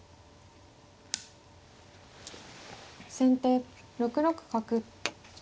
先手６六角。